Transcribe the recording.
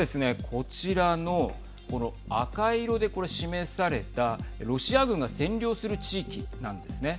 こちらの、この赤色で示されたロシア軍が占領する地域なんですね。